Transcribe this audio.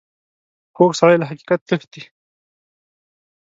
کوږ سړی له حقیقت تښتي